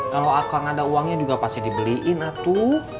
kalo aku ada uangnya juga pasti dibeliin atu